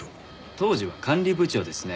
当時は管理部長ですね。